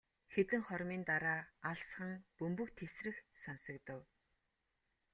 Хэдэн хормын дараа алсхан бөмбөг тэсрэх сонсогдов.